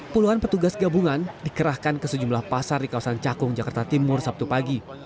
puluhan petugas gabungan dikerahkan ke sejumlah pasar di kawasan cakung jakarta timur sabtu pagi